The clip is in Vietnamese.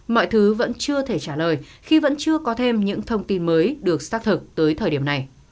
mọi thứ vẫn chưa thể trả lời khi vẫn chưa có thêm những thông tin mới được xác thực tới thời điểm này